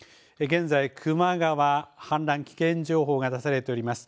現在、球磨川、氾濫危険情報が出されております。